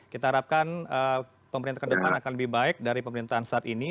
kita harapkan pemerintah ke depan akan lebih baik dari pemerintahan saat ini